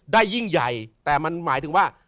ยิ่งใหญ่แต่มันหมายถึงว่า